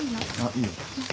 いいよ。